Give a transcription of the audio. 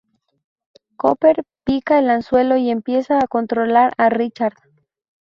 Cooper pica el anzuelo y empieza a controlar a Richard.